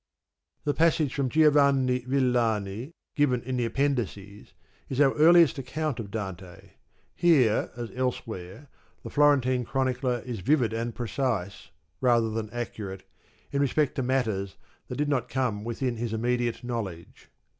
— The passage from Giovanni Villani given in the Appendices is our earliest account of Dante. Here as elsewhere the Florentine chronicler is vivid and precise, rather than accurate, in respect to matters that did not come within his immediate knowledge.